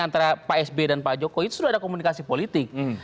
antara pak sb dan pak jokowi itu sudah ada komunikasi politik